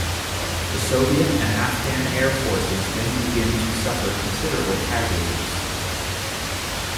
The Soviet and Afghan air forces then begin to suffer considerable casualties.